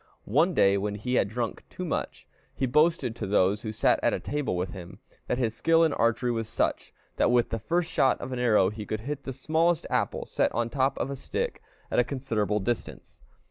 One day, when he had drunk too much, he boasted to those who sat at table with him, that his skill in archery was such, that with the first shot of an arrow he could hit the smallest apple set on the top of a stick at a considerable distance.